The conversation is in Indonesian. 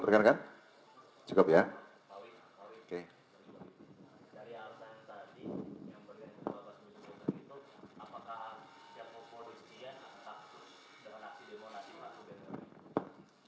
dari altan tadi yang berdiri di bawah itu apakah yang mempunyai sisi atau status dengan haksi demokrasi pada dunia ini